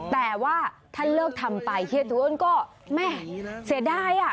แต่ว่าถ้าเลิกทำไปเฮียทวนก็แม่เสียดายอ่ะ